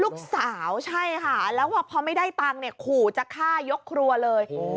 ลูกสาวใช่ค่ะแล้วพอไม่ได้ตังค์เนี่ยขู่จะฆ่ายกครัวเลย